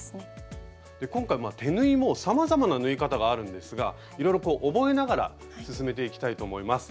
で今回手縫いもさまざまな縫い方があるんですがいろいろこう覚えながら進めていきたいと思います。